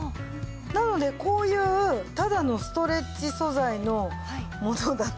なのでこういうただのストレッチ素材のものだとですね。